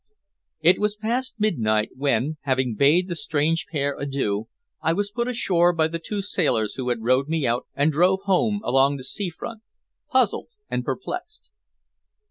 It was past midnight when, having bade the strange pair adieu, I was put ashore by the two sailors who had rowed me out and drove home along the sea front, puzzled and perplexed.